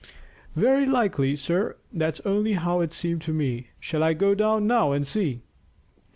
"Very likely, sir. That's only how it seemed to me. Shall I go down now and see?"